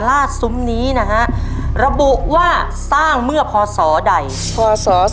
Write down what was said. พอสอสองพันห้าร้อยสามสิบห้าค่ะ